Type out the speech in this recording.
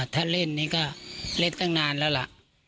ถ้าเล่นนี่ก็เล่นตั้งนานแล้วล่ะ